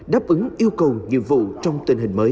đáp ứng yêu cầu nhiệm vụ trong tình hình mới